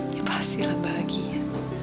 dia pasti bahagia